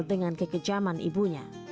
dengan kekejaman ibunya